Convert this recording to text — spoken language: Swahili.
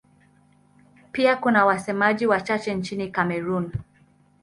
Pia kuna wasemaji wachache nchini Kamerun.